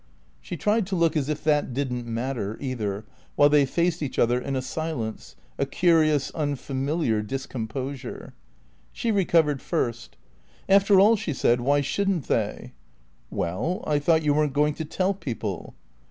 She tried to look as if that didn't matter, either, while they faced each other in a silence, a curious, unfamiliar discomposure. She recovered first. "After all," she said, "why shouldn't they?" "Well I thought you weren't going to tell people."